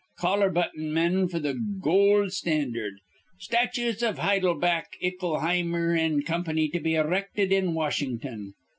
Collar button men f'r th' goold standard. Statues iv Heidelback, Ickleheimer an' Company to be erected in Washington.